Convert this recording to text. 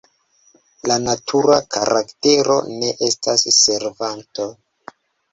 La natura karaktero ne estas servanto.